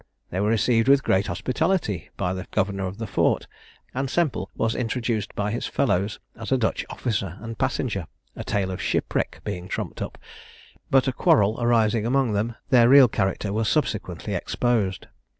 They were received with great hospitality by the governor of the Fort; and Semple was introduced by his fellows as a Dutch officer and passenger, a tale of shipwreck being trumped up; but a quarrel arising among them, their real character was subsequently exposed.